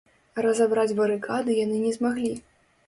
Разабраць барыкады яны не змаглі.